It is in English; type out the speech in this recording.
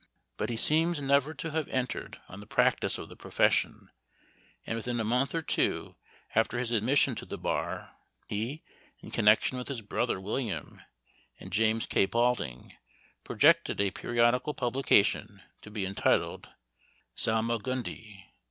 But he seems never to have entered on the practice | of the profession, and, within a month or two after his admission to the bar, he, in connection with his brother William and James K. Pauld ing, projected a periodical publication, to be entitled Salmagundi.